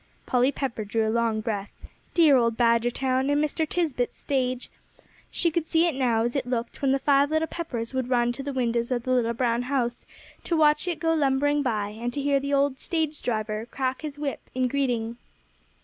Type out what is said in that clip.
Polly Pepper drew a long breath. Dear old Badgertown, and Mr. Tisbett's stage. She could see it now, as it looked when the Five Little Peppers would run to the windows of the little brown house to watch it go lumbering by, and to hear the old stage driver crack his whip in greeting!